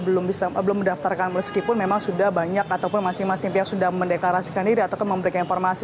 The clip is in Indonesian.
belum mendaftarkan meskipun memang sudah banyak ataupun masing masing pihak sudah mendeklarasikan diri atau memberikan informasi